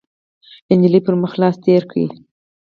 ، نجلۍ پر مخ لاس تېر کړ،